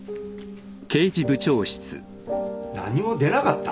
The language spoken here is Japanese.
何も出なかった？